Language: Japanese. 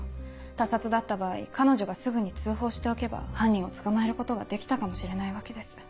他殺だった場合彼女がすぐに通報しておけば犯人を捕まえることができたかもしれないわけです。